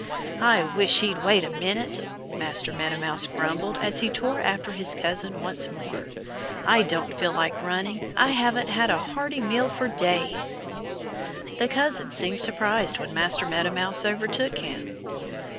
"I wish he'd wait a minute," Master Meadow Mouse grumbled as he tore after his cousin once more. "I don't feel like running. I haven't had a hearty meal for days." The cousin seemed surprised when Master Meadow Mouse overtook him.